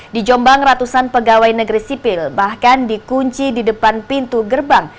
di jombang ratusan pegawai negeri sipil bahkan dikunci di depan pintu gerbang